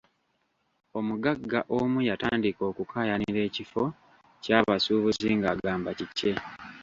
Omugagga omu yatandika okukaayanira ekifo ky'abasuubuzi nga agamba kikye.